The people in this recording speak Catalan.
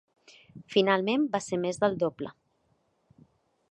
Finalment, va ser més del doble.